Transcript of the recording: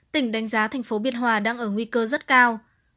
tỉnh đánh giá thành phố biên hòa đang ở nguy cơ rất cao